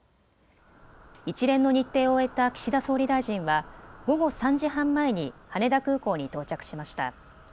一連の日程を終えた岸田総理大臣は、午後３時半前に羽田空港に到着しました。